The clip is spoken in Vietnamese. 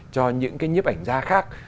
cho những cái nhếp ảnh gia khác